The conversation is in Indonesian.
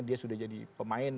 dia sudah jadi pemain